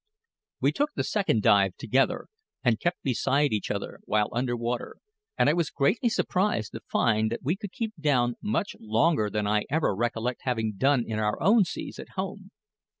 We took the second dive together, and kept beside each other while under water; and I was greatly surprised to find that we could keep down much longer than I ever recollect having done in our own seas at home.